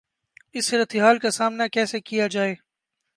اس صورتحال کا سامنا کیسے کیا جائے؟